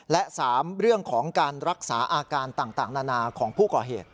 และ๓เรื่องของการรักษาอาการต่างนานาของผู้ก่อเหตุ